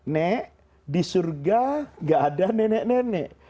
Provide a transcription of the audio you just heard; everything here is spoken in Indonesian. nek di surga gak ada nenek nenek